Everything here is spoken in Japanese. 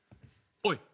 おい！